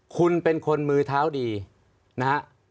คุณเป็นคนมือเท้าดีนะฮะ